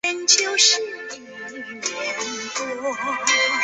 每年在法国的维苏举办。